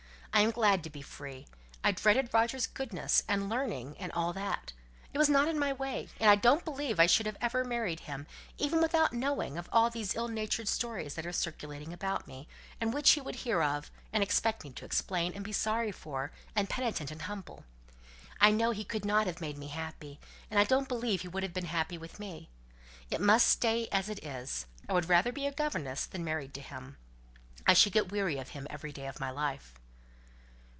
I'm glad to be free. I dreaded Roger's goodness, and learning, and all that. It was not in my way, and I don't believe I should have ever married him, even without knowing of all these ill natured stories that are circulating about me, and which he would hear of, and expect me to explain, and be sorry for, and penitent and humble. I know he could not have made me happy, and I don't believe he would have been happy with me. It must stay as it is. I would rather be a governess than married to him. I should get weary of him every day of my life."